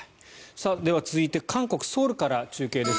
では、続いて韓国ソウルから中継です。